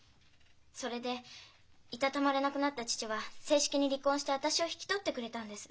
それで居たたまれなくなった父は正式に離婚して私を引き取ってくれたんです。